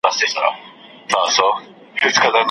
نه مي ږغ له ستوني وزي نه د چا غوږ ته رسېږم